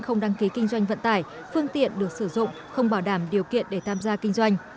không đăng ký kinh doanh vận tải phương tiện được sử dụng không bảo đảm điều kiện để tham gia kinh doanh